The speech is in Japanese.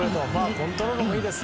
コントロールもいいです。